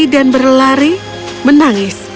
dan berlari menangis